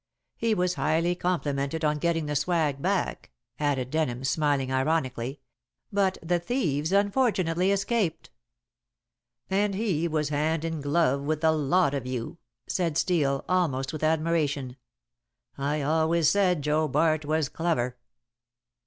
He was highly complimented on getting the swag back," added Denham, smiling ironically, "but the thieves unfortunately escaped." "And he was hand in glove with the lot of you," said Steel, almost with admiration. "I always said Joe Bart was clever."